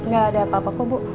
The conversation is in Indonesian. nggak ada apa apa kok bu